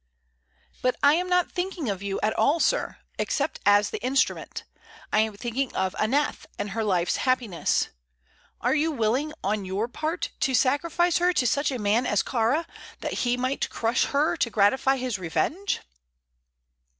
"But I am not thinking of you at all, sir, except as the instrument. I am thinking of Aneth and her life's happiness. Are you willing, on your part, to sacrifice her to such a man as Kāra, that he may crush her to gratify his revenge?"